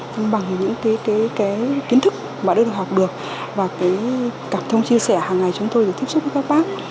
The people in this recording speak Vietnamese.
nhưng bằng những cái kiến thức mà đây được học được và cái cảm thông chia sẻ hàng ngày chúng tôi để tiếp xúc với các bác